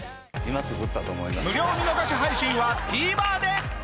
無料見逃し配信はＴＶｅｒで。